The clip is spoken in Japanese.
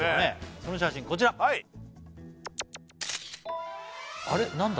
その写真こちらあれ何だ？